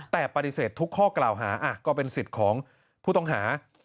แต่ปฏิเสธทุกข้อกล่าวหาก็เป็นสิทธิ์ของผู้ต้องหา